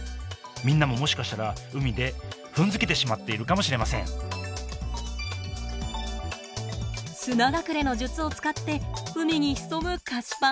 みんなももしかしたら海で踏んづけてしまっているかもしれません砂隠れの術を使って海に潜むカシパン。